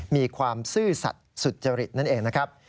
ความซื่อสัตว์สุจริตนั่นเองนะครับ